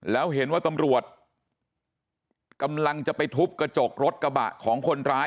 แล้วเห็นว่าตำรวจกำลังจะไปทุบกระจกรถกระบะของคนร้าย